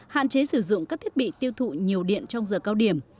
hạn chế sử dụng các thiết bị tiêu thụ nhiều điện trong giờ cao điểm